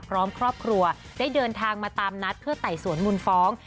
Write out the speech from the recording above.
ครอบครัวได้เดินทางมาตามนัดเพื่อไต่สวนมูลฟ้อง